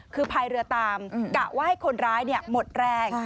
คือพายเรือตามกะว่าให้คนร้ายหมดแรง